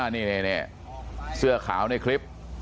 นี่เสื้อขาวในคลิป